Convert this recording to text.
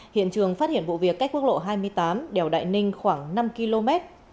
hiện trường phát hiện vụ việc cách quốc lộ hai mươi tám đèo đại ninh khoảng năm km